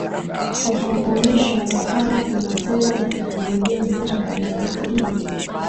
kusuhulisha na kwamba kuna sera na teknolojia zinazohitajika ili